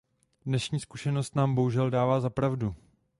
Dnešní skutečnost nám bohužel dává za pravdu.